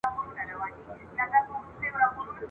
کله چي يوسف عليه السلام د پلار په اجازه ولاړ.